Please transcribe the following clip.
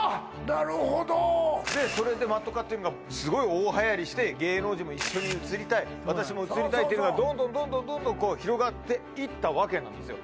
なるほどそれでＭａｔｔ化っていうのがすごい大はやりして芸能人も一緒に写りたい私も写りたいっていうのがどんどん広がっていったわけなんですよ